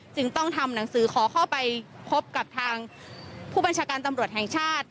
จึงต้องทำหนังสือขอเข้าไปพบกับทางผู้บัญชาการตำรวจแห่งชาติ